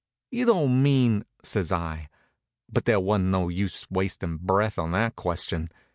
"You don't mean ?" says I. But there wa'n't no use wasting breath on that question.